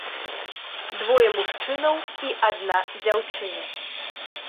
Двое мужчынаў і адна дзяўчына.